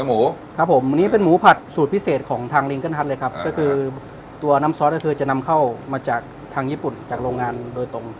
หมูครับผมอันนี้เป็นหมูผัดสูตรพิเศษของทางลิงเกิ้ฮัทเลยครับก็คือตัวน้ำซอสก็คือจะนำเข้ามาจากทางญี่ปุ่นจากโรงงานโดยตรง